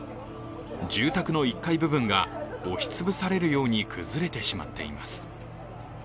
住宅の１階部分が押しつぶされるように崩れてしまっています。